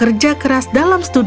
howard itu adalah de chicks